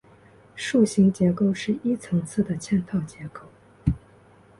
树形结构是一层次的嵌套结构。